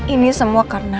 ini semua karena